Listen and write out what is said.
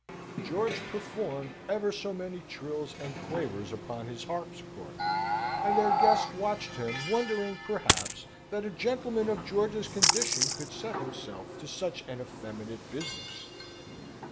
George performed ever so many trills and quavers upon his harpsichord, and their guest watched him, wondering, perhaps, that a gentleman of George's condition could set himself to such an effeminate business.